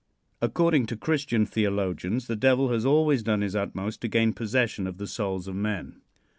According to Christian theologians, the Devil has always done his utmost to gain possession of the souls of men.